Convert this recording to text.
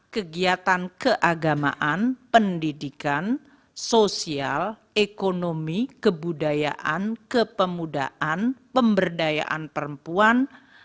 kegiatan keagamaan pendidikan sosial ekonomi kebudayaan kepemudaan pemberdayaan perempuan